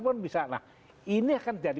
pun bisa nah ini akan jadi